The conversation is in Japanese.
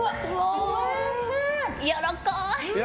やわらかい！